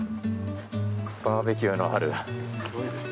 バーベキューのある。